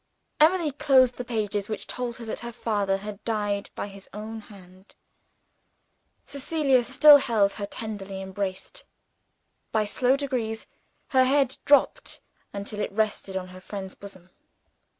Emily closed the pages which told her that her father had died by his own hand. Cecilia still held her tenderly embraced. By slow degrees, her head dropped until it rested on her friend's bosom.